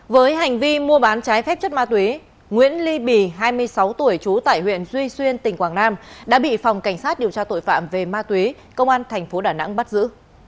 với hành vi mua bán trái phép chất ma túy nguyễn ly bì hai mươi sáu tuổi trú tại huyện duy xuyên tỉnh quảng nam đã bị phòng cảnh sát điều tra tội phạm về ma túy công an thành phố đà nẵng bắt giữ